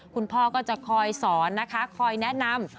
คุณพ่อก็จะคอยสอนนะคะคอยแนะนำ